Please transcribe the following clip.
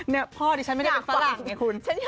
คุณลองให้ฟังได้ไหม